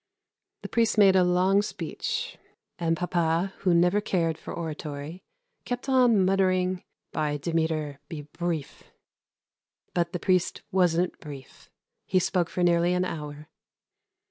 The priest made a long speech, and papa, who never cared for oratory, kept on muttering, "By Demeter, be brief," but the priest wasn't brief. He spoke for nearly an hour.